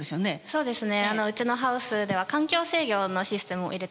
そうですね